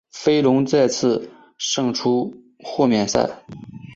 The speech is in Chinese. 飞龙再次胜出豁免赛。